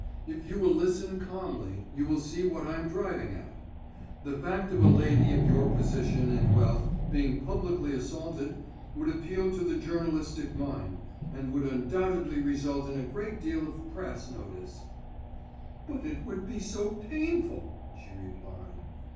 If you will listen calmly, you will see what I'm driving at. The fact of a lady of your position and wealth being publicly assaulted would appeal to the journalistic mind, and would undoubtedly result in a great deal of Press notice." "But it would be so painful," she replied.